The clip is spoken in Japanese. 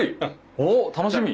おお楽しみ。